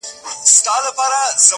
زما پر سهادت ملا ده دا فتواء ورکړې”